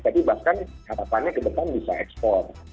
tapi bahkan harapannya ke depan bisa ekspor